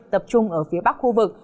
tập trung ở phía bắc khu vực